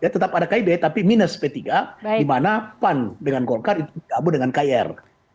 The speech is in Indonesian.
tetap ada kib tapi minus p tiga di mana pan dengan golkar itu gabung dengan kir